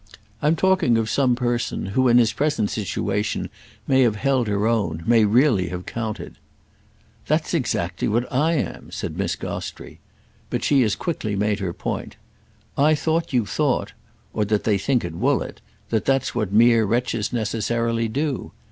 I'm talking of some person who in his present situation may have held her own, may really have counted." "That's exactly what I am!" said Miss Gostrey. But she as quickly made her point. "I thought you thought—or that they think at Woollett—that that's what mere wretches necessarily do.